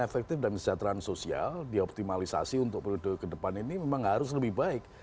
efektif dan kesejahteraan sosial dioptimalisasi untuk periode kedepan ini memang harus lebih baik